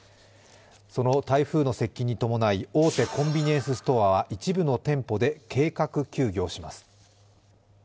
台風の接近に伴い大手コンビニエンスストアは一部の店舗で計画休業します。